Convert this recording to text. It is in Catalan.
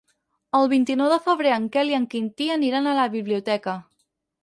El vint-i-nou de febrer en Quel i en Quintí aniran a la biblioteca.